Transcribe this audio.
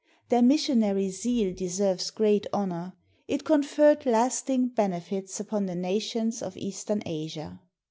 Their missionary zeal deserves great honor. It conferred last ing benefits upon the nations of eastern Asia.